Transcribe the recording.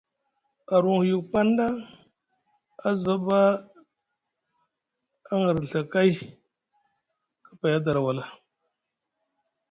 Arwuŋ huyuk paŋ ɗa a zva ɓa a ŋirɵa kay kapay a dara wala.